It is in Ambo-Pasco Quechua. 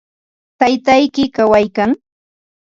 ¿Taytayki kawaykan?